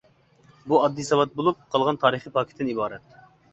بۇ ئاددىي ساۋات بولۇپ قالغان تارىخىي پاكىتتىن ئىبارەت.